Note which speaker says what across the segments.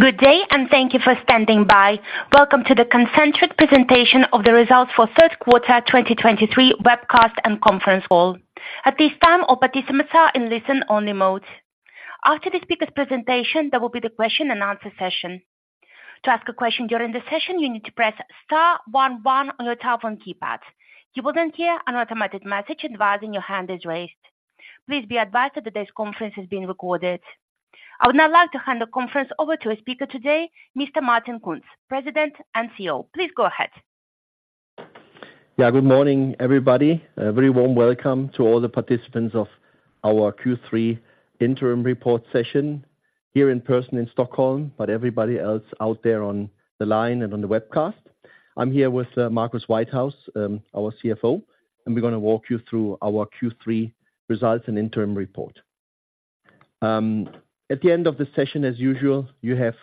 Speaker 1: Good day, and thank you for standing by. Welcome to the Concentric presentation of the results for third quarter 2023 webcast and conference call. At this time, all participants are in listen-only mode. After the speaker's presentation, there will be the question and answer session. To ask a question during the session, you need to press star one one on your telephone keypad. You will then hear an automatic message advising your hand is raised. Please be advised that today's conference is being recorded. I would now like to hand the conference over to our speaker today, Mr. Martin Kunz, President and CEO. Please go ahead.
Speaker 2: Yeah, good morning, everybody. A very warm welcome to all the participants of our Q3 interim report session here in person in Stockholm, but everybody else out there on the line and on the webcast. I'm here with Marcus Whitehouse, our CFO, and we're gonna walk you through our Q3 results and interim report. At the end of the session, as usual, you have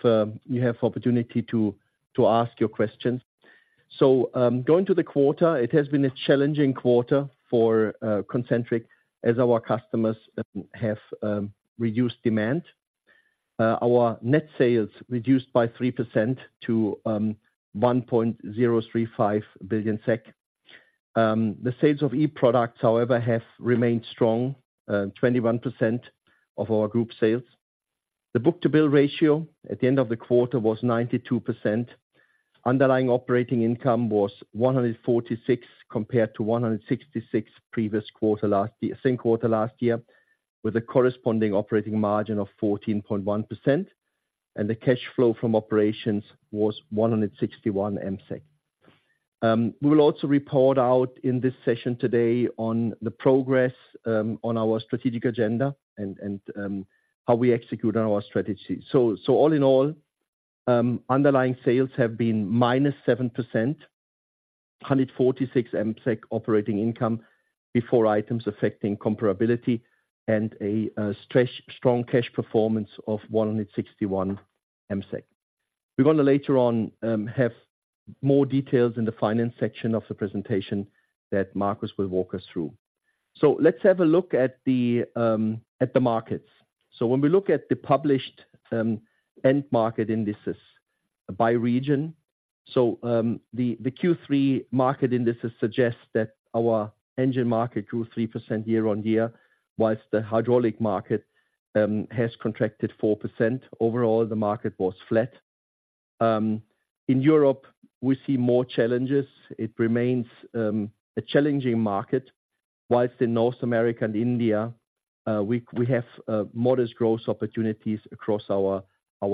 Speaker 2: opportunity to ask your questions. So, going to the quarter, it has been a challenging quarter for Concentric as our customers have reduced demand. Our net sales reduced by 3% to 1.035 billion SEK. The sales of e-Products, however, have remained strong, 21% of our group sales. The book-to-bill ratio at the end of the quarter was 92%. Underlying operating income was 146, compared to 166 previous quarter last year, same quarter last year, with a corresponding operating margin of 14.1%, and the cash flow from operations was 161 MSEK. We will also report out in this session today on the progress on our strategic agenda and how we execute on our strategy. All in all, underlying sales have been -7%, 146 MSEK operating income before items affecting comparability and a strong cash performance of 161 MSEK. We're going to later on have more details in the finance section of the presentation that Marcus will walk us through. Let's have a look at the markets. So when we look at the published end market indices by region, the Q3 market indices suggest that our engine market grew 3% year-on-year, while the hydraulic market has contracted 4%. Overall, the market was flat. In Europe, we see more challenges. It remains a challenging market, while in North America and India, we have modest growth opportunities across our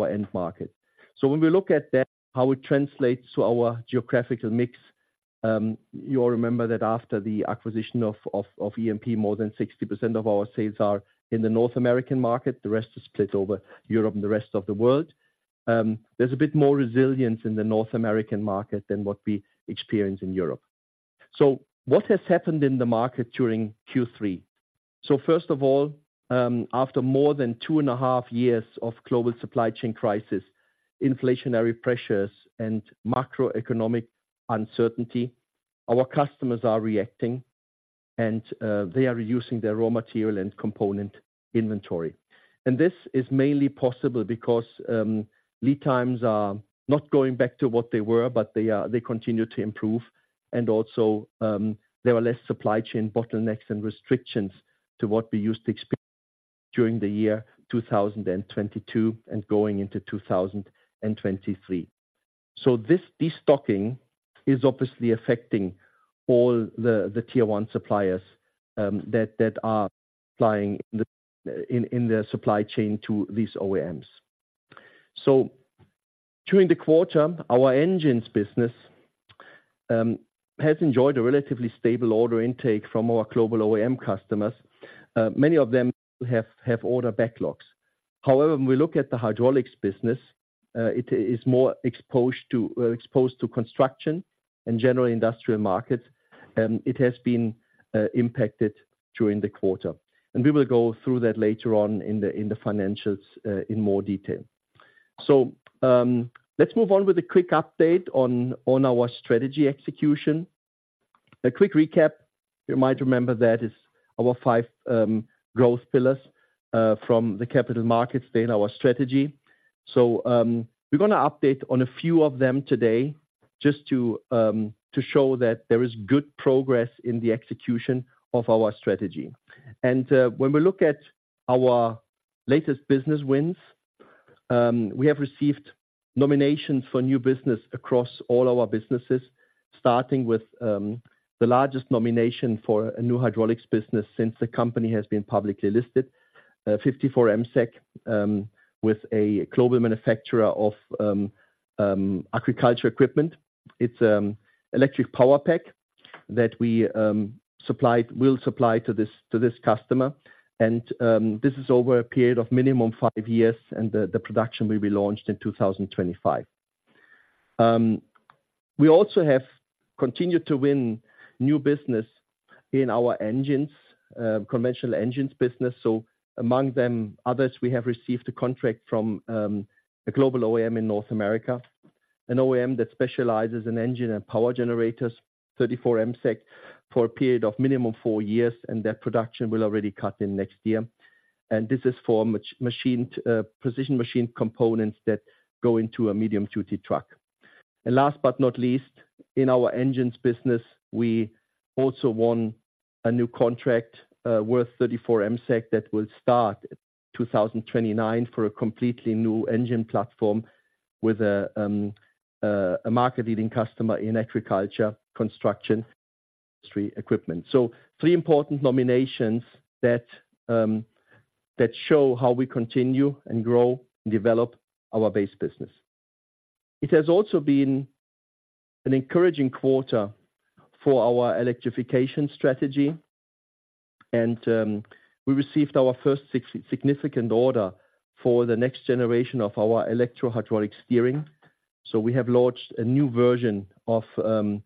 Speaker 2: end market. So when we look at that, how it translates to our geographical mix, you all remember that after the acquisition of EMP, more than 60% of our sales are in the North American market. The rest is split over Europe and the rest of the world. There's a bit more resilience in the North American market than what we experience in Europe. So what has happened in the market during Q3? So first of all, after more than 2.5 years of global supply chain crisis, inflationary pressures, and macroeconomic uncertainty, our customers are reacting, and they are reducing their raw material and component inventory. This is mainly possible because lead times are not going back to what they were, but they continue to improve. Also, there are less supply chain bottlenecks and restrictions to what we used to experience during the year 2022 and going into 2023. So this destocking is obviously affecting all the tier one suppliers that are supplying in their supply chain to these OEMs. So during the quarter, our engines business has enjoyed a relatively stable order intake from our global OEM customers. Many of them have order backlogs. However, when we look at the hydraulics business, it is more exposed to construction and general industrial markets. It has been impacted during the quarter, and we will go through that later on in the financials in more detail. So, let's move on with a quick update on our strategy execution. A quick recap, you might remember that is our five growth pillars from the Capital Markets Day in our strategy. So, we're gonna update on a few of them today just to show that there is good progress in the execution of our strategy. When we look at our latest business wins, we have received nominations for new business across all our businesses, starting with the largest nomination for a new hydraulics business since the company has been publicly listed. 54 million with a global manufacturer of agriculture equipment. It's electric power pack that we supplied, will supply to this customer. This is over a period of minimum five years, and the production will be launched in 2025. We also have continued to win new business in our engines, conventional engines business. So among them, others, we have received a contract from a global OEM in North America. an OEM that specializes in engine and power generators, 34 MSEK, for a period of minimum 4 years, and that production will already kick in next year. And this is for machined precision machine components that go into a medium-duty truck. And last but not least, in our engines business, we also won a new contract worth 34 MSEK that will start in 2029 for a completely new engine platform with a market-leading customer in agriculture, construction, industry equipment. So three important nominations that show how we continue and grow and develop our base business. It has also been an encouraging quarter for our electrification strategy, and we received our first significant order for the next generation of our electro-hydraulic steering. So we have launched a new version of the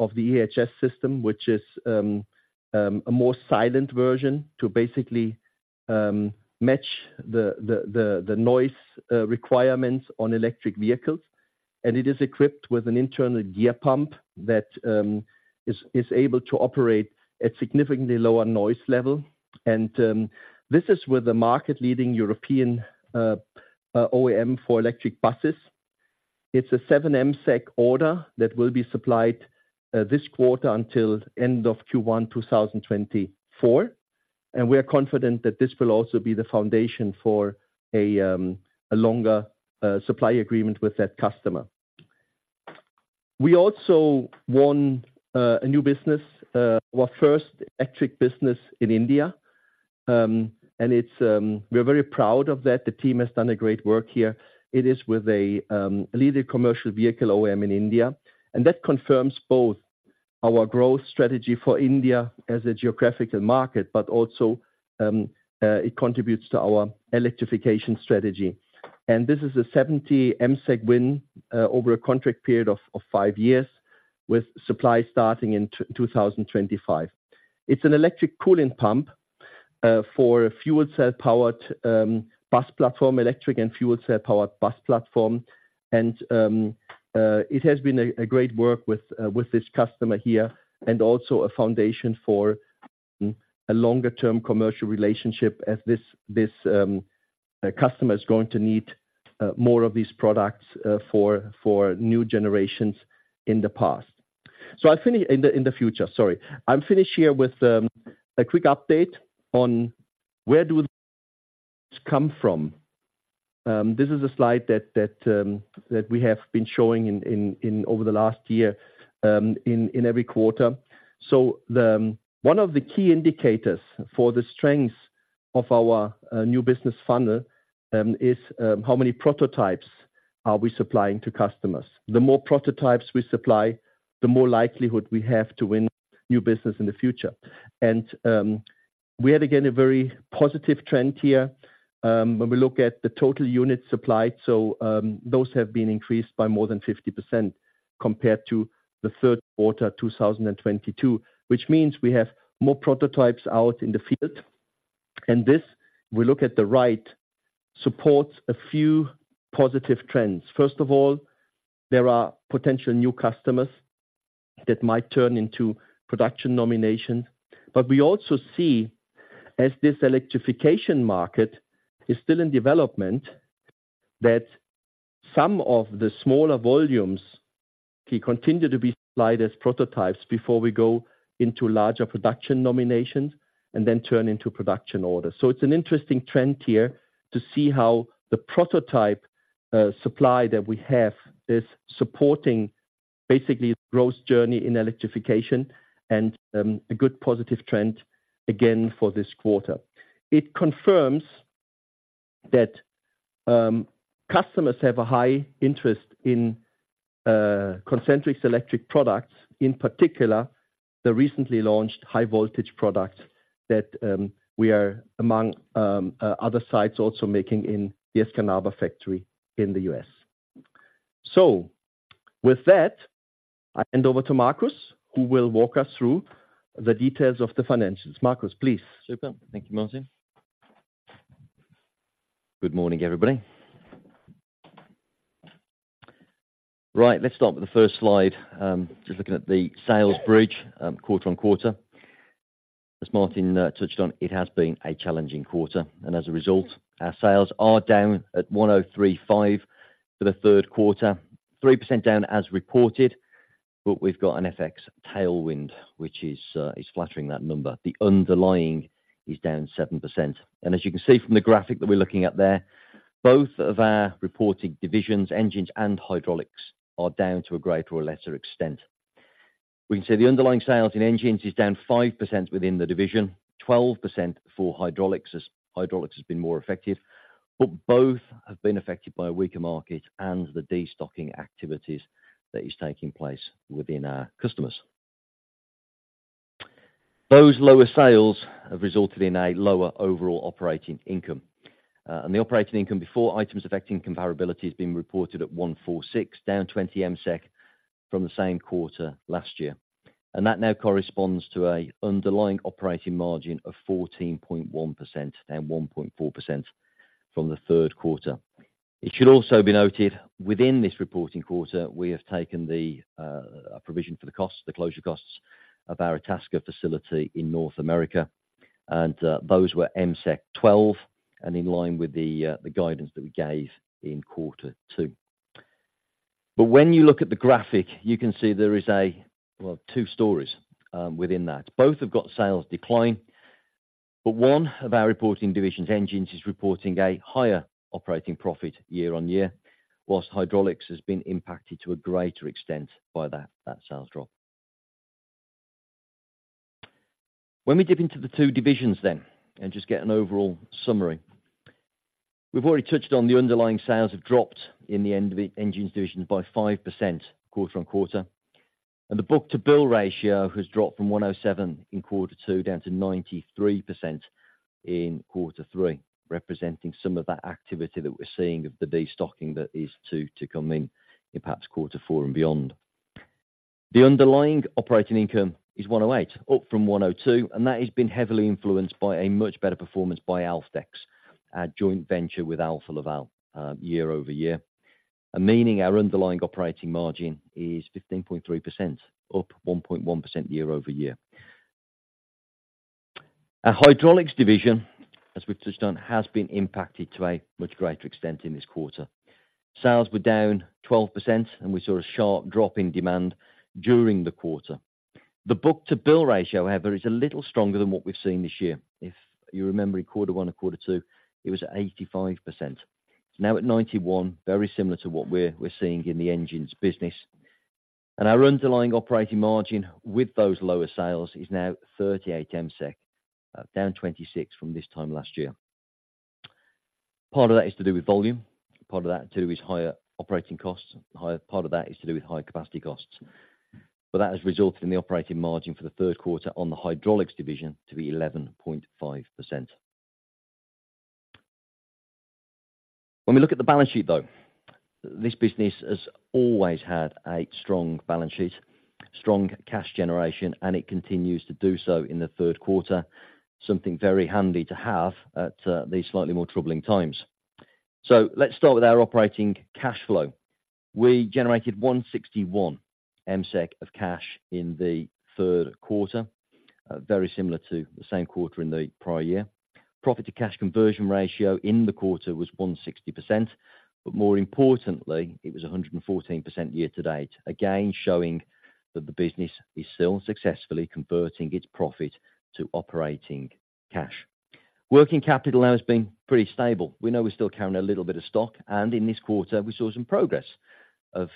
Speaker 2: EHS system, which is a more silent version to basically match the noise requirements on electric vehicles. And it is equipped with an internal gear pump that is able to operate at significantly lower noise level. And this is with the market-leading European OEM for electric buses. It's a 7 MSEK order that will be supplied this quarter until end of Q1 2024. And we are confident that this will also be the foundation for a longer supply agreement with that customer. We also won a new business our first electric business in India. And it's we are very proud of that. The team has done a great work here. It is with a leading commercial vehicle OEM in India, and that confirms both our growth strategy for India as a geographical market, but also it contributes to our electrification strategy. And this is a 70 MSEK win over a contract period of five years, with supply starting in 2025. It's an electric cooling pump for a fuel cell-powered bus platform, electric and fuel cell-powered bus platform. And it has been a great work with this customer here, and also a foundation for a longer-term commercial relationship as this customer is going to need more of these products for new generations in the past. So I finish, in the future, sorry. I'm finish here with a quick update on where do we come from? This is a slide that we have been showing in over the last year, in every quarter. So, one of the key indicators for the strength of our new business funnel is how many prototypes are we supplying to customers? The more prototypes we supply, the more likelihood we have to win new business in the future. And we had, again, a very positive trend here when we look at the total units supplied. So, those have been increased by more than 50% compared to the third quarter, 2022, which means we have more prototypes out in the field. And this, we look at the right, supports a few positive trends. First of all, there are potential new customers that might turn into production nomination. But we also see, as this electrification market is still in development, that some of the smaller volumes, we continue to be supplied as prototypes before we go into larger production nominations and then turn into production orders. So it's an interesting trend here to see how the prototype supply that we have is supporting basically growth journey in electrification and a good positive trend again for this quarter. It confirms that customers have a high interest in Concentric's electric products, in particular, the recently launched high voltage products that we are among other sites also making in the Escanaba factory in the U.S. So with that, I hand over to Marcus, who will walk us through the details of the financials. Marcus, please.
Speaker 3: Super. Thank you, Martin. Good morning, everybody. Right, let's start with the first slide. Just looking at the sales bridge, quarter-on-quarter. As Martin touched on, it has been a challenging quarter, and as a result, our sales are down at 135 MSEK for the third quarter, 3% down as reported, but we've got an FX tailwind, which is flattering that number. The underlying is down 7%. And as you can see from the graphic that we're looking at there, both of our reported divisions, engines and hydraulics, are down to a greater or lesser extent. We can say the underlying sales in engines is down 5% within the division, 12% for hydraulics, as hydraulics has been more effective, but both have been affected by a weaker market and the destocking activities that is taking place within our customers. Those lower sales have resulted in a lower overall operating income, and the operating income before items affecting comparability has been reported at 146 MSEK, down 20 MSEK from the same quarter last year, and that now corresponds to a underlying operating margin of 14.1%, down 1.4% from the third quarter. It should also be noted within this reporting quarter, we have taken the provision for the costs, the closure costs of our Itasca facility in North America, and those were 12 million, and in line with the guidance that we gave in quarter two. But when you look at the graphic, you can see there is a, well, two stories within that. Both have got sales decline, but one of our reporting divisions, Engines, is reporting a higher operating profit year-on-year, while Hydraulics has been impacted to a greater extent by that sales drop. When we dip into the two divisions then and just get an overall summary. We've already touched on the underlying sales have dropped in the Engines division by 5% quarter-on-quarter, and the book-to-bill ratio has dropped from 107 in quarter two, down to 93% in quarter three, representing some of that activity that we're seeing of the destocking that is to come in perhaps quarter four and beyond. The underlying operating income is 108 MSEK, up from 102 MSEK, and that has been heavily influenced by a much better performance by Alfdex, our joint venture with Alfa Laval, year-over-year. Meaning our underlying operating margin is 15.3%, up 1.1% year-over-year. Our Hydraulics division, as we've touched on, has been impacted to a much greater extent in this quarter. Sales were down 12%, and we saw a sharp drop in demand during the quarter. The book-to-bill ratio, however, is a little stronger than what we've seen this year. If you remember, in quarter one and quarter two, it was at 85%. It's now at 91%, very similar to what we're seeing in the engines business. And our underlying operating margin with those lower sales is now 38 MSEK, down 26 from this time last year. Part of that is to do with volume. Part of that, too, is higher operating costs. Part of that is to do with higher capacity costs, but that has resulted in the operating margin for the third quarter on the Hydraulics division to be 11.5%. When we look at the balance sheet, though, this business has always had a strong balance sheet, strong cash generation, and it continues to do so in the third quarter. Something very handy to have at these slightly more troubling times. So let's start with our operating cash flow. We generated 161 MSEK of cash in the third quarter, very similar to the same quarter in the prior year. Profit to cash conversion ratio in the quarter was 160%, but more importantly, it was 114% year to date, again, showing that the business is still successfully converting its profit to operating cash. Working capital now has been pretty stable. We know we're still carrying a little bit of stock, and in this quarter, we saw some progress of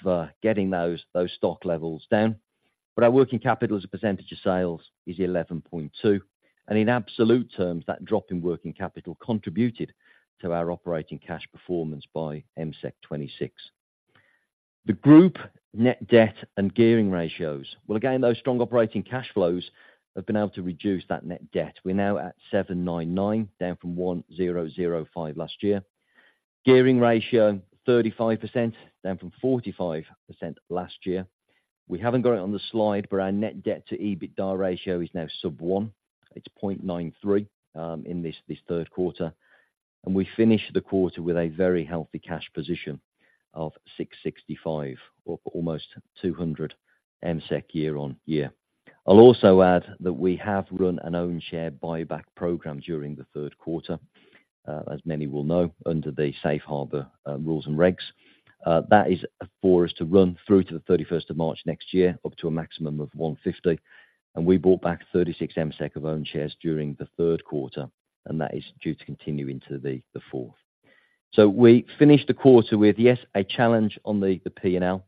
Speaker 3: getting those stock levels down. But our working capital as a percentage of sales is 11.2, and in absolute terms, that drop in working capital contributed to our operating cash performance by MSEK 26. The group net debt and gearing ratios. Well, again, those strong operating cash flows have been able to reduce that net debt. We're now at 799, down from 1,005 last year. Gearing ratio, 35%, down from 45% last year. We haven't got it on the slide, but our net debt to EBITDA ratio is now sub one. It's 0.93 in this third quarter, and we finished the quarter with a very healthy cash position of 665, or almost 200 MSEK year-on-year. I'll also add that we have run an own share buyback program during the third quarter. As many will know, under the safe harbor rules and regs. That is for us to run through to the March 31st next year, up to a maximum of 150 million, and we bought back 36 million of own shares during the third quarter, and that is due to continue into the fourth. So we finished the quarter with, yes, a challenge on the P and L,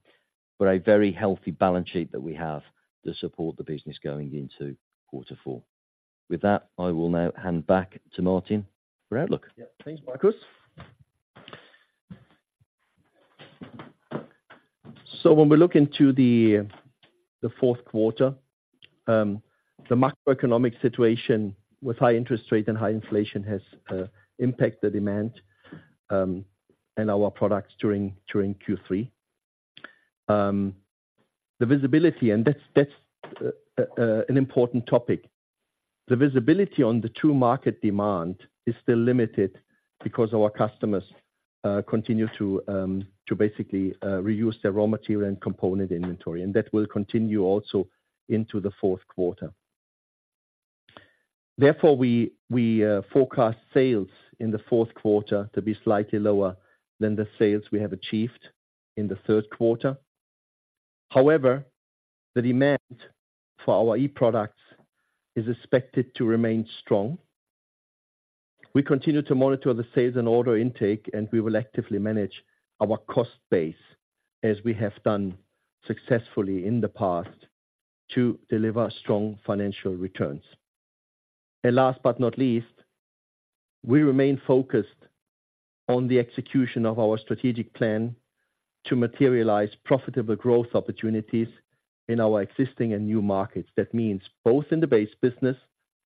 Speaker 3: but a very healthy balance sheet that we have to support the business going into quarter four. With that, I will now hand back to Martin for outlook.
Speaker 2: Yeah. Thanks, Marcus. So when we look into the fourth quarter, the macroeconomic situation with high interest rates and high inflation has impacted the demand and our products during Q3. The visibility and that's an important topic. The visibility on the true market demand is still limited because our customers continue to basically reuse their raw material and component inventory, and that will continue also into the fourth quarter. Therefore, we forecast sales in the fourth quarter to be slightly lower than the sales we have achieved in the third quarter. However, the demand for our e-products is expected to remain strong. We continue to monitor the sales and order intake, and we will actively manage our cost base as we have done successfully in the past, to deliver strong financial returns. Last but not least, we remain focused on the execution of our strategic plan to materialize profitable growth opportunities in our existing and new markets. That means both in the base business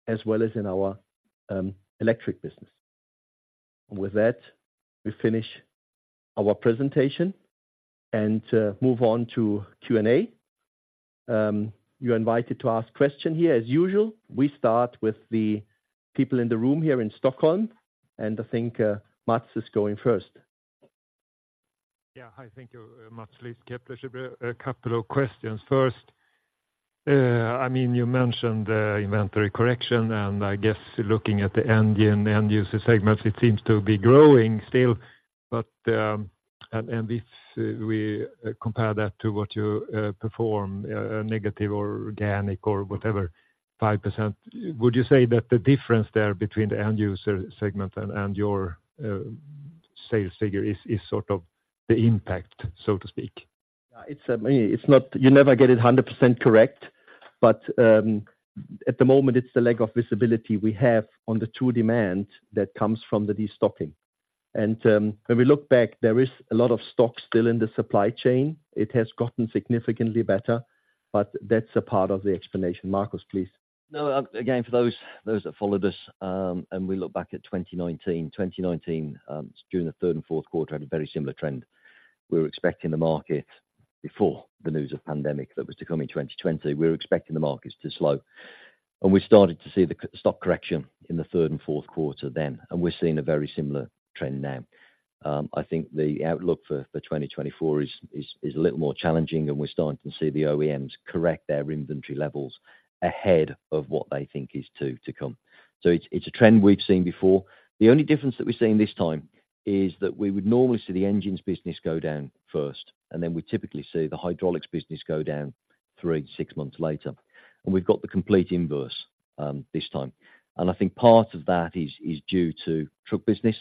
Speaker 2: as well as in our electric business. With that, we finish our presentation and move on to Q&A. You're invited to ask question here. As usual, we start with the people in the room here in Stockholm, and I think Mats is going first.
Speaker 4: Yeah. Hi, thank you very much, [Kepler Cheuvreux]. A couple of questions. First, I mean, you mentioned the inventory correction, and I guess looking at the engine end user segment, it seems to be growing still. But, and if we compare that to what you perform, a negative or organic or whatever, 5%, would you say that the difference there between the end user segment and your sales figure is sort of the impact, so to speak?
Speaker 2: Yeah, it's not. You never get it 100% correct, but at the moment, it's the lack of visibility we have on the true demand that comes from the destocking. When we look back, there is a lot of stock still in the supply chain. It has gotten significantly better, but that's a part of the explanation. Marcus, please.
Speaker 3: No, again, for those that followed us, and we look back at 2019. 2019, during the third and fourth quarter, had a very similar trend. We were expecting the market before the news of pandemic that was to come in 2020. We were expecting the markets to slow, and we started to see the stock correction in the third and fourth quarter then, and we're seeing a very similar trend now. I think the outlook for 2024 is a little more challenging, and we're starting to see the OEMs correct their inventory levels ahead of what they think is to come. So it's a trend we've seen before. The only difference that we're seeing this time is that we would normally see the engines business go down first, and then we typically see the hydraulics business go down 3-6 months later. We've got the complete inverse, this time. I think part of that is due to truck business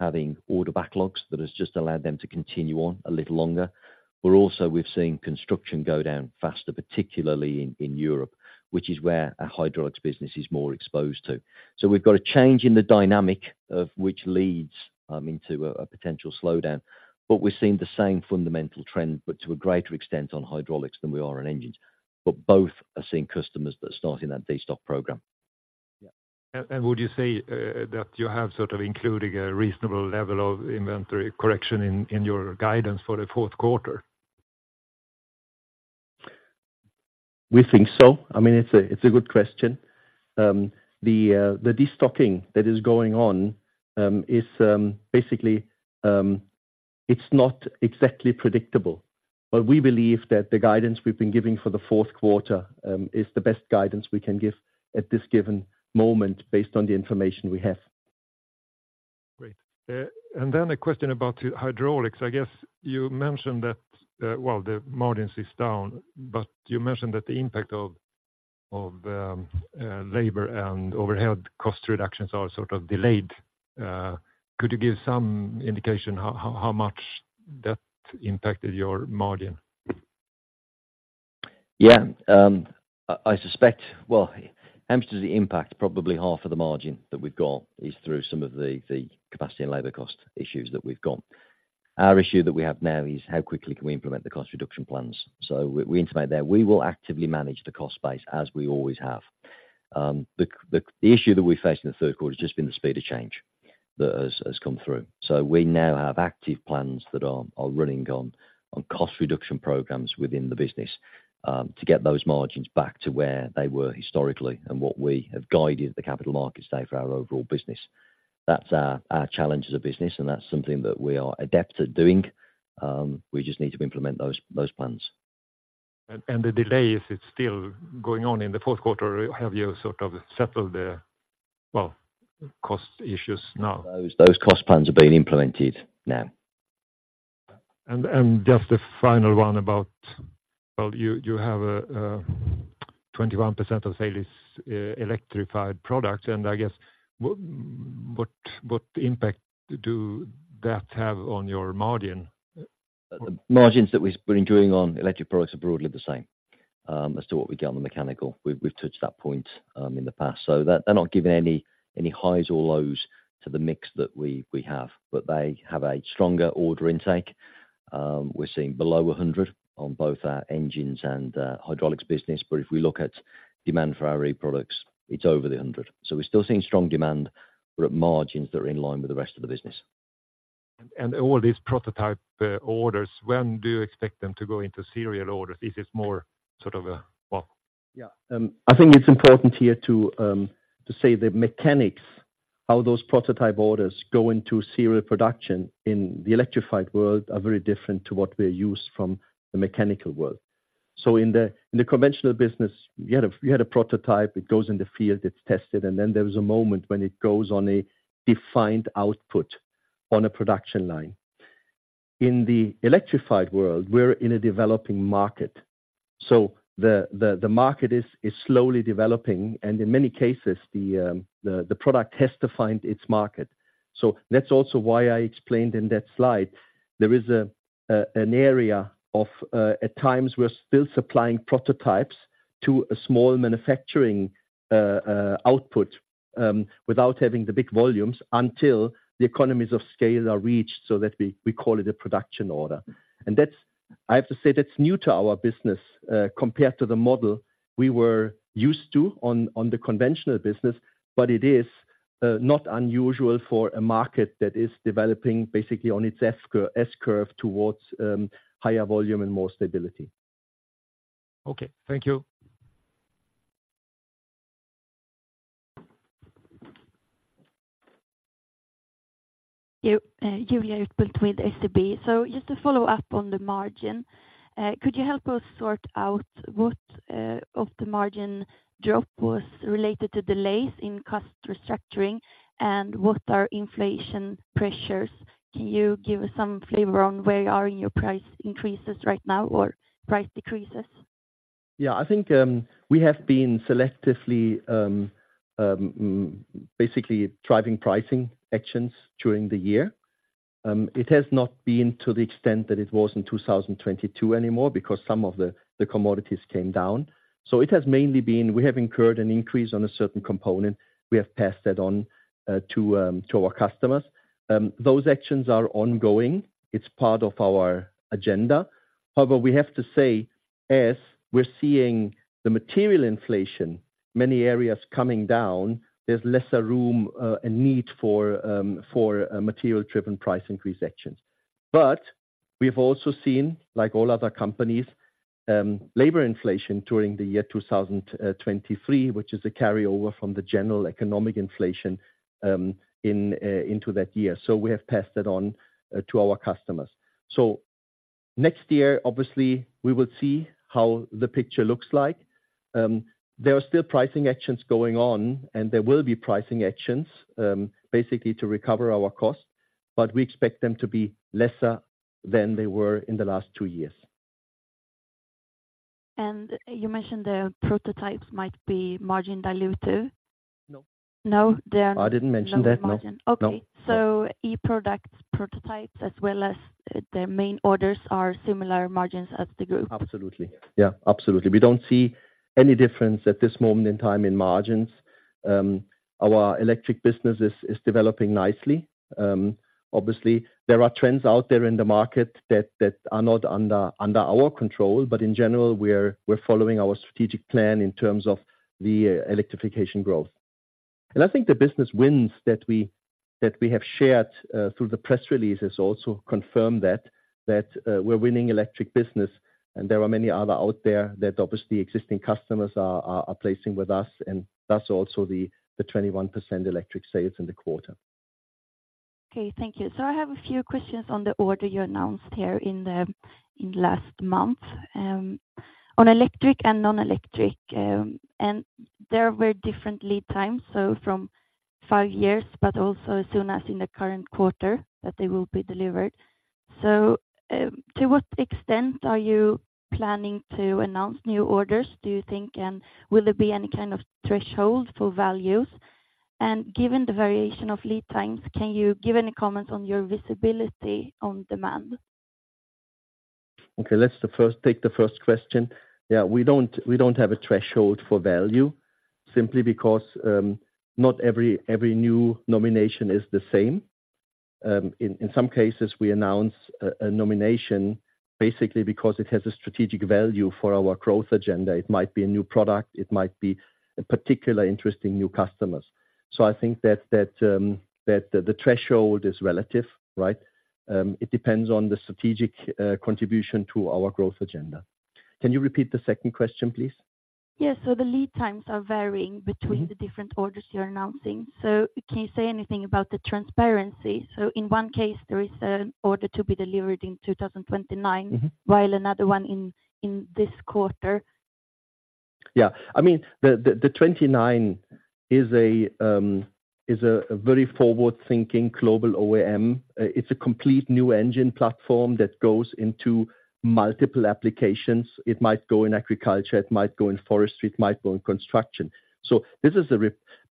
Speaker 3: having order backlogs that has just allowed them to continue on a little longer. But also we've seen construction go down faster, particularly in Europe, which is where our hydraulics business is more exposed to. We've got a change in the dynamic of which leads into a potential slowdown, but we're seeing the same fundamental trend, but to a greater extent on hydraulics than we are on engines. Both are seeing customers that are starting that destock program.
Speaker 2: Yeah.
Speaker 5: Would you say that you have sort of including a reasonable level of inventory correction in your guidance for the fourth quarter?
Speaker 2: We think so. I mean, it's a good question. The destocking that is going on is basically it's not exactly predictable. But we believe that the guidance we've been giving for the fourth quarter is the best guidance we can give at this given moment, based on the information we have.
Speaker 5: Great. And then a question about the hydraulics. I guess you mentioned that, well, the margins is down, but you mentioned that the impact of labor and overhead cost reductions are sort of delayed. Could you give some indication how much that impacted your margin?
Speaker 3: Yeah. I suspect, well, aims the impact, probably half of the margin that we've got is through some of the, the capacity and labor cost issues that we've got. Our issue that we have now is how quickly can we implement the cost reduction plans? So we indicated there, we will actively manage the cost base, as we always have. The issue that we face in the third quarter has just been the speed of change that has come through. So we now have active plans that are running on cost reduction programs within the business, to get those margins back to where they were historically and what we have guided the capital markets today for our overall business. That's our challenge as a business, and that's something that we are adept at doing. We just need to implement those plans.
Speaker 5: And the delay, is it still going on in the fourth quarter, or have you sort of settled the, well, cost issues now?
Speaker 3: Those cost plans are being implemented now.
Speaker 5: And just a final one about, well, you have a 21% of sales is electrified products, and I guess, what impact do that have on your margin?
Speaker 3: The margins that we're enjoying on electric products are broadly the same as to what we get on the mechanical. We've touched that point in the past. So that they're not giving any highs or lows to the mix that we have, but they have a stronger order intake. We're seeing below 100 on both our engines and hydraulics business, but if we look at demand for our e-Products, it's over 100. So we're still seeing strong demand, but at margins that are in line with the rest of the business.
Speaker 5: All these prototype orders, when do you expect them to go into serial orders? Is it more sort of, well.
Speaker 2: Yeah. I think it's important here to say the mechanics, how those prototype orders go into serial production in the electrified world are very different to what we use from the mechanical world. So in the conventional business, you had a prototype, it goes in the field, it's tested, and then there was a moment when it goes on a defined output on a production line. In the electrified world, we're in a developing market, so the market is slowly developing, and in many cases, the product has to find its market. So that's also why I explained in that slide. There is an area at times where we're still supplying prototypes to a small manufacturing output without having the big volumes until the economies of scale are reached, so that we call it a production order. And that's. I have to say that's new to our business compared to the model we were used to on the conventional business. But it is not unusual for a market that is developing basically on its S-curve towards higher volume and more stability.
Speaker 5: Okay, thank you.
Speaker 6: Julia with SEB. So just to follow up on the margin, could you help us sort out what of the margin drop was related to delays in cost restructuring? And what are inflation pressures? Can you give us some flavor on where you are in your price increases right now or price decreases?
Speaker 2: Yeah, I think, we have been selectively, basically driving pricing actions during the year. It has not been to the extent that it was in 2022 anymore, because some of the commodities came down. So it has mainly been, we have incurred an increase on a certain component. We have passed that on, to our customers. Those actions are ongoing. It's part of our agenda. However, we have to say, as we're seeing the material inflation, many areas coming down, there's lesser room, and need for, material-driven price increase actions. But we've also seen, like all other companies, labor inflation during the year 2023, which is a carryover from the general economic inflation, into that year. So we have passed it on, to our customers. So next year, obviously, we will see how the picture looks like. There are still pricing actions going on, and there will be pricing actions, basically to recover our costs, but we expect them to be lesser than they were in the last two years.
Speaker 6: You mentioned the prototypes might be margin dilutive?
Speaker 2: No.
Speaker 6: No, they are.
Speaker 2: I didn't mention that, no.
Speaker 6: Okay.
Speaker 2: No.
Speaker 6: e-Products prototypes, as well as the main orders, are similar margins as the group?
Speaker 2: Absolutely. Yeah, absolutely. We don't see any difference at this moment in time in margins. Our electric business is developing nicely. Obviously, there are trends out there in the market that are not under our control, but in general, we're following our strategic plan in terms of the electrification growth. And I think the business wins that we have shared through the press release has also confirmed that we're winning electric business, and there are many other out there that obviously existing customers are placing with us, and that's also the 21% electric sales in the quarter.
Speaker 6: Okay, thank you. So I have a few questions on the order you announced here in the, in last month, on electric and non-electric. And there were different lead times, so from five years, but also as soon as in the current quarter, that they will be delivered. So, to what extent are you planning to announce new orders, do you think? And will there be any kind of threshold for values? And given the variation of lead times, can you give any comments on your visibility on demand?
Speaker 2: Okay, let's take the first question. Yeah, we don't, we don't have a threshold for value simply because not every new nomination is the same. In some cases, we announce a nomination, basically because it has a strategic value for our growth agenda. It might be a new product, it might be a particularly interesting new customer. So I think that the threshold is relative, right? It depends on the strategic contribution to our growth agenda. Can you repeat the second question, please?
Speaker 6: Yes. So the lead times are varying between-
Speaker 2: Mm-hmm.
Speaker 6: - The different orders you're announcing. So can you say anything about the transparency? So in one case, there is an order to be delivered in 2029.
Speaker 2: Mm-hmm.
Speaker 6: While another one in, in this quarter.
Speaker 2: Yeah. I mean, the 2029 is a very forward-thinking global OEM. It's a complete new engine platform that goes into multiple applications. It might go in agriculture, it might go in forestry, it might go in construction. So this is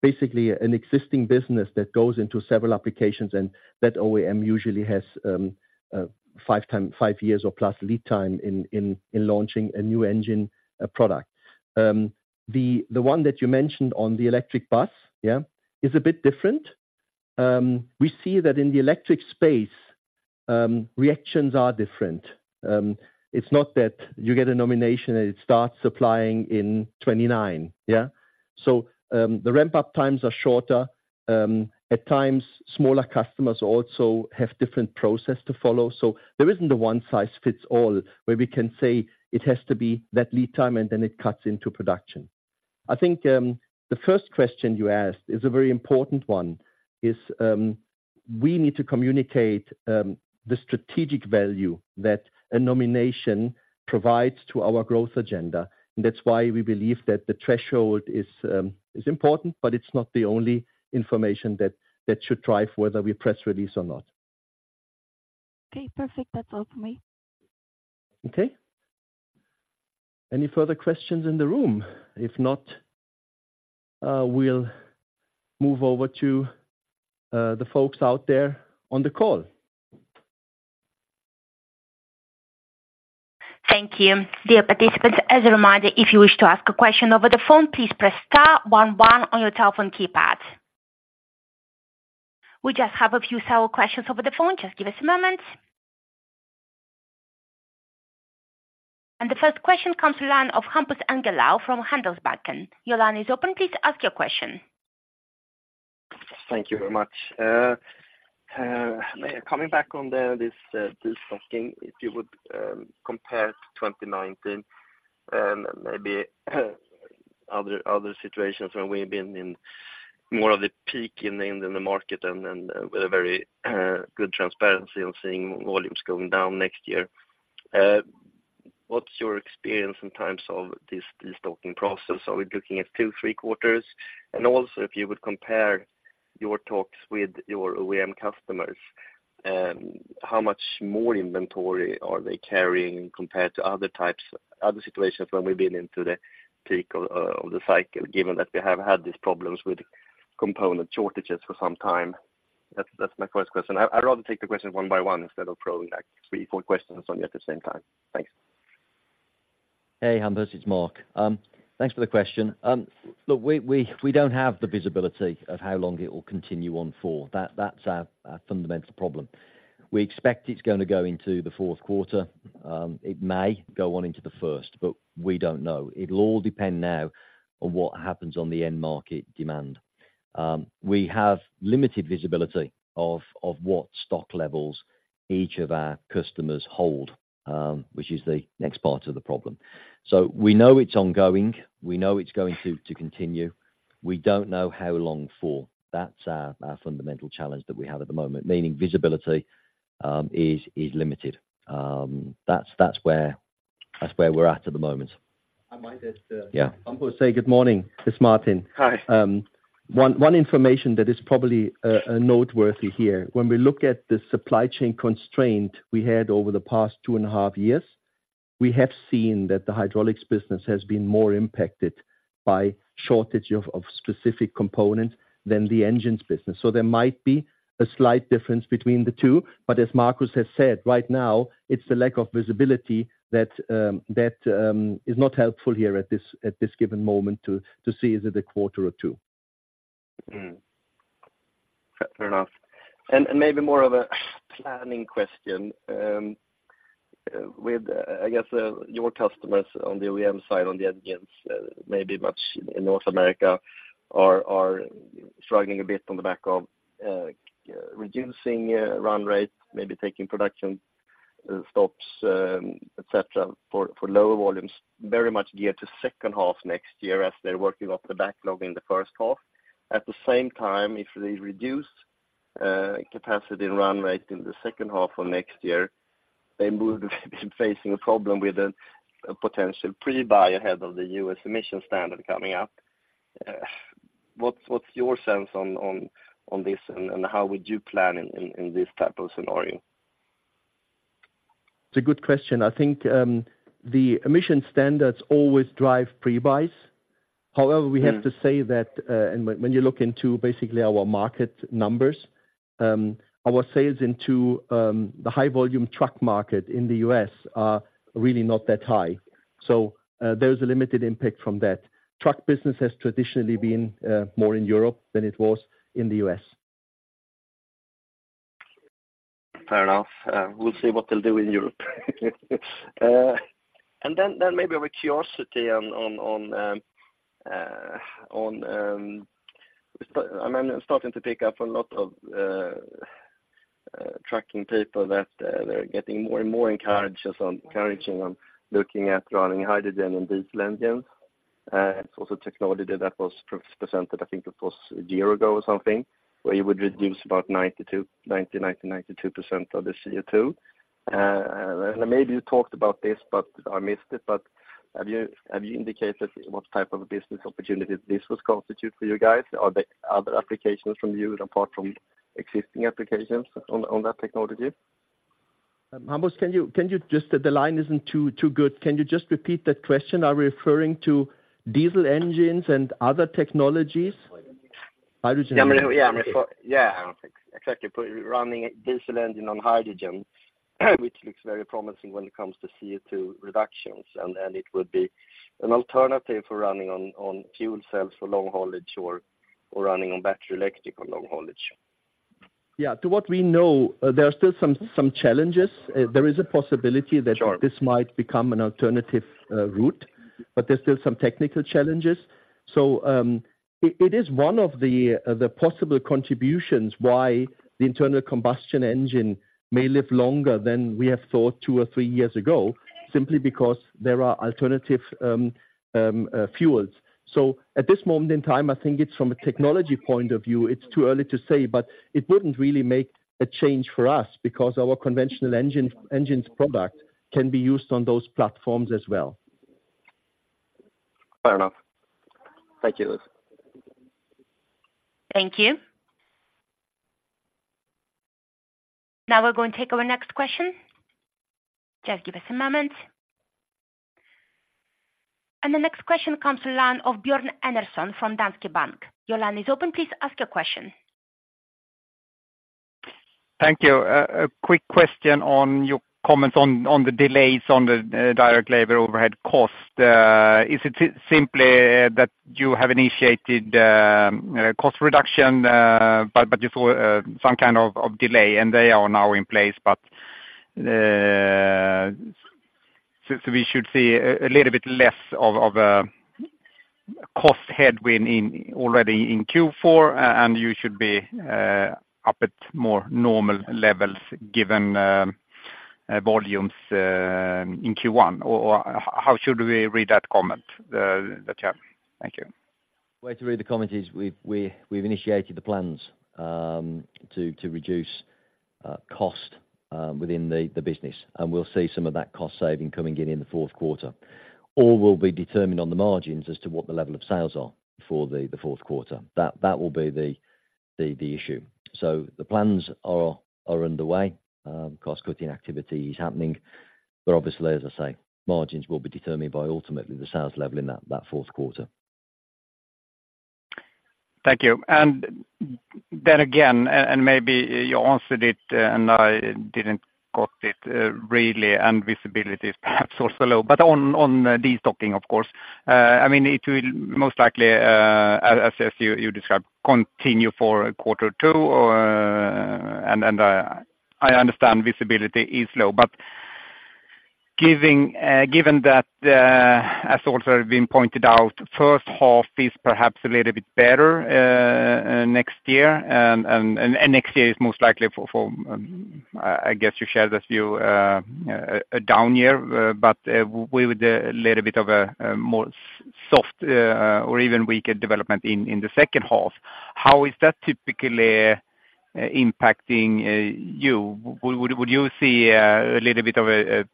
Speaker 2: basically an existing business that goes into several applications, and that OEM usually has five years or plus lead time in launching a new engine product. The one that you mentioned on the electric bus, yeah, is a bit different. We see that in the electric space, reactions are different. It's not that you get a nomination, and it starts supplying in 2029, yeah? So the ramp-up times are shorter. At times, smaller customers also have different process to follow. So there isn't a one-size-fits-all, where we can say it has to be that lead time, and then it cuts into production. I think, the first question you asked is a very important one, we need to communicate, the strategic value that a nomination provides to our growth agenda. And that's why we believe that the threshold is important, but it's not the only information that should drive whether we press release or not.
Speaker 6: Okay, perfect. That's all for me.
Speaker 2: Okay. Any further questions in the room? If not, we'll move over to the folks out there on the call.
Speaker 1: Thank you. Dear participants, as a reminder, if you wish to ask a question over the phone, please press star one one on your telephone keypad. We just have a few several questions over the phone. Just give us a moment. And the first question comes to line of Hampus Engellau from Handelsbanken. Your line is open. Please ask your question.
Speaker 7: Thank you very much. Coming back on the, this, this talking, if you would, compare to 2019, and maybe other, other situations when we've been in more of the peak in the market and with a very good transparency on seeing volumes going down next year. What's your experience in terms of this, this talking process? Are we looking at 2, 3 quarters? And also, if you would compare your talks with your OEM customers, how much more inventory are they carrying compared to other situations when we've been into the peak of the cycle, given that we have had these problems with component shortages for some time? That's my first question. I'd rather take the question one by one, instead of throwing like three, four questions on you at the same time. Thanks.
Speaker 3: Hey, Hampus, it's Mark. Thanks for the question. Look, we don't have the visibility of how long it will continue on for. That's our fundamental problem. We expect it's gonna go into the fourth quarter. It may go on into the first, but we don't know. It'll all depend now on what happens on the end market demand. We have limited visibility of what stock levels each of our customers hold, which is the next part of the problem. So we know it's ongoing, we know it's going to continue. We don't know how long for. That's our fundamental challenge that we have at the moment, meaning visibility is limited. That's where we're at at the moment.
Speaker 2: I might just.
Speaker 3: Yeah.
Speaker 2: Hampus, say good morning. It's Martin.
Speaker 7: Hi.
Speaker 2: One information that is probably noteworthy here. When we look at the supply chain constraint we had over the past two and a half years, we have seen that the hydraulics business has been more impacted by shortage of specific components than the engines business. So there might be a slight difference between the two, but as Marcus has said, right now, it's the lack of visibility that is not helpful here at this given moment to see is it a quarter or two.
Speaker 7: Fair enough. Maybe more of a planning question, with, I guess, your customers on the OEM side, on the engines, maybe much in North America, are shrugging a bit on the back of, reducing, run rates, maybe taking production, stops, et cetera, for lower volumes, very much geared to H2 next year as they're working off the backlog in the H1. At the same time, if they reduce, capacity and run rate in the H2 of next year, they will be facing a problem with a, a potential pre-buy ahead of the U.S. emission standard coming up. What's your sense on this, and how would you plan in this type of scenario?
Speaker 2: It's a good question. I think, the emission standards always drive pre-buys.
Speaker 7: Mm.
Speaker 2: However, we have to say that, and when you look into basically our market numbers, our sales into the high volume truck market in the U.S are really not that high. So, there is a limited impact from that. Truck business has traditionally been more in Europe than it was in the U.S.
Speaker 7: Fair enough. We'll see what they'll do in Europe. And then maybe a curiosity on, I'm starting to pick up a lot of trucking people that they're getting more and more encouraging on looking at running hydrogen and diesel engines. It's also technology that was first presented, I think it was a year ago or something, where you would reduce about 92% of the CO2. And maybe you talked about this, but I missed it, but have you indicated what type of business opportunity this would constitute for you guys? Are there other applications from you, apart from existing applications on that technology?
Speaker 2: Hampus, can you, can you just, the line isn't too good. Can you just repeat that question? Are we referring to diesel engines and other technologies? Hydrogen.
Speaker 7: Yeah, yeah, yeah, exactly. Put running diesel engine on hydrogen, which looks very promising when it comes to CO2 reductions, and it would be an alternative for running on fuel cells for long haulage or running on battery electric on long haulage.
Speaker 2: Yeah. To what we know, there are still some challenges. There is a possibility that-
Speaker 7: Sure
Speaker 2: -This might become an alternative route, but there's still some technical challenges. So, it is one of the possible contributions why the internal combustion engine may live longer than we have thought two or three years ago, simply because there are alternative fuels. So at this moment in time, I think it's from a technology point of view, it's too early to say, but it wouldn't really make a change for us, because our conventional engines product can be used on those platforms as well.
Speaker 7: Fair enough. Thank you.
Speaker 1: Thank you. Now we're going to take our next question. Just give us a moment. The next question comes to line of Bjorn Enarson from Danske Bank. Your line is open. Please ask your question.
Speaker 8: Thank you. A quick question on your comments on the delays on the direct labor overhead cost. Is it simply that you have initiated cost reduction, but just some kind of delay, and they are now in place? But so we should see a little bit less of cost headwind already in Q4, and you should be up at more normal levels, given volumes in Q1? Or how should we read that comment that you have? Thank you.
Speaker 3: way to read the comment is we've initiated the plans to reduce cost within the business, and we'll see some of that cost saving coming in in the fourth quarter, or will be determined on the margins as to what the level of sales are for the fourth quarter. That will be the issue. So the plans are underway. Cost cutting activity is happening, but obviously, as I say, margins will be determined by ultimately the sales level in that fourth quarter.
Speaker 8: Thank you. And then again, and maybe you answered it, and I didn't caught it, really, and visibility is perhaps also low, but on destocking, of course, I mean, it will most likely, as you described, continue for quarter two, or, and I understand visibility is low. But given that, as also been pointed out, H1 is perhaps a little bit better next year, and next year is most likely for, I guess you share this view, a down year, but we with a little bit of a more soft or even weaker development in the H2, how is that typically impacting you? Would you see a little bit of a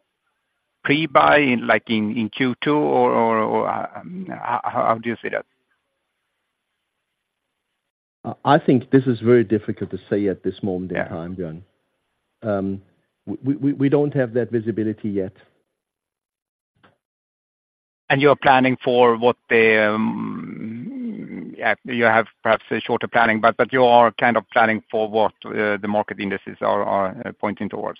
Speaker 8: pre-buy, like, in Q2, or how do you see that?
Speaker 2: I think this is very difficult to say at this moment in time, Bjorn. We don't have that visibility yet.
Speaker 8: You're planning for what the Yeah, you have perhaps a shorter planning, but, but you are kind of planning for what the market indices are, are pointing towards?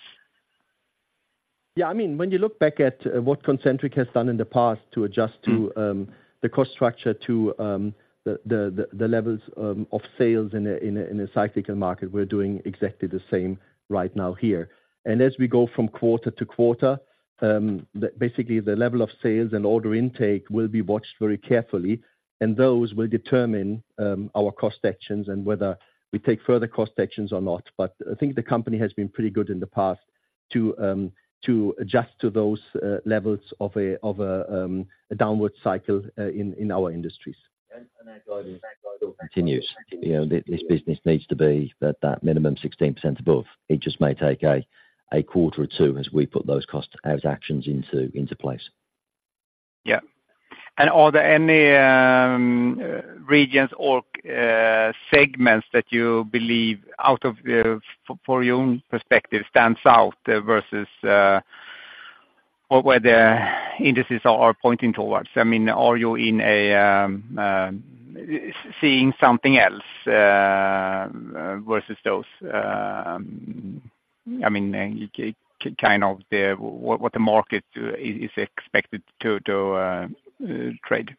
Speaker 2: Yeah. I mean, when you look back at what Concentric has done in the past to adjust to the cost structure to the levels of sales in a cyclical market, we're doing exactly the same right now here. And as we go from quarter to quarter, basically, the level of sales and order intake will be watched very carefully, and those will determine our cost actions and whether we take further cost actions or not. But I think the company has been pretty good in the past to adjust to those levels of a downward cycle in our industries.
Speaker 3: Continues. You know, this business needs to be at that minimum 16% above. It just may take a quarter or two as we put those cost out actions into place.
Speaker 8: Yeah. And are there any regions or segments that you believe out of for your own perspective, stands out versus or where the indices are pointing towards? I mean, are you seeing something else versus those? I mean, kind of the what the market is expected to trade?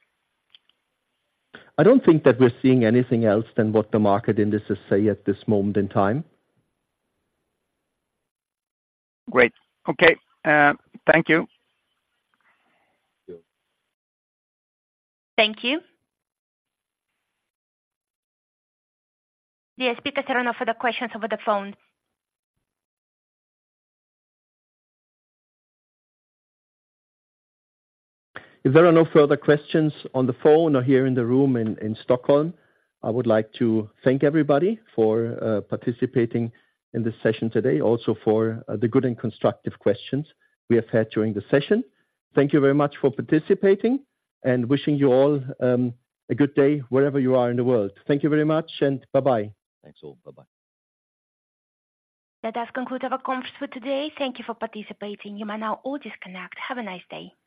Speaker 2: I don't think that we're seeing anything else than what the market indices say at this moment in time.
Speaker 8: Great. Okay. Thank you.
Speaker 2: Thank you.
Speaker 1: Thank you. The speakers are now open for the questions over the phone.
Speaker 2: If there are no further questions on the phone or here in the room in Stockholm, I would like to thank everybody for participating in this session today, also for the good and constructive questions we have had during the session. Thank you very much for participating, and wishing you all a good day wherever you are in the world. Thank you very much, and bye-bye.
Speaker 3: Thanks all. Bye-bye.
Speaker 1: That does conclude our conference for today. Thank you for participating. You may now all disconnect. Have a nice day.